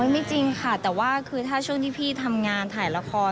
ไม่จริงค่ะแต่ว่าคือถ้าช่วงที่พี่ทำงานถ่ายละคร